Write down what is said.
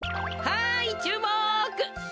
はいちゅうもく！